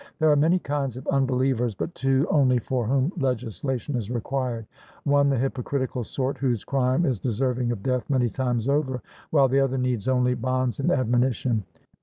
There are many kinds of unbelievers, but two only for whom legislation is required; one the hypocritical sort, whose crime is deserving of death many times over, while the other needs only bonds and admonition.